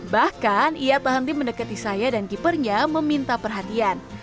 bahkan ia tahan tim mendekati saya dan keepernya meminta perhatian